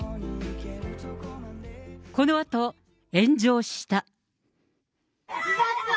このあと炎上した。